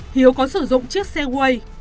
hiếu có sử dụng chiếc xe quay